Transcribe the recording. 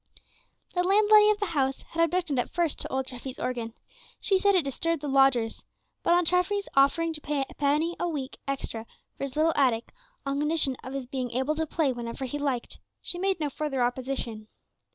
The landlady of the house had objected at first to old Treffy's organ; she said it disturbed the lodgers; but on Treffy's offering to pay a penny a week extra for his little attic, on condition of his being able to play whenever he liked, she made no further opposition.